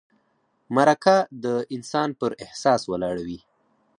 مرکه د انسان پر احساس ولاړه وي.